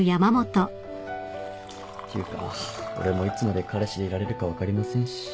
ていうか俺もいつまで彼氏でいられるか分かりませんし。